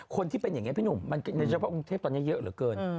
คนที่เป็นอย่างนี้พี่หนุ่มมันในเฉพาะกรุงเทพตอนนี้เยอะเหลือเกิน